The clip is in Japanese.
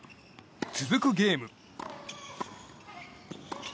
続くゲーム。